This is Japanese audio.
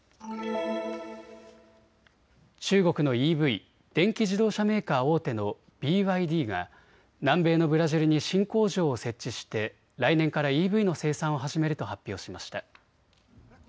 中国のＥＶ・電気自動車メーカー大手のＢＹＤが南米のブラジルに新工場を設置して来年からＥＶの生産を始めると発表しました。